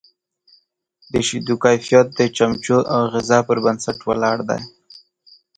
د شیدو کیفیت د چمچو او غذا پر بنسټ ولاړ دی.